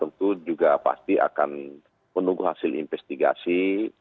tentu juga pasti akan menunggu hasil investigasi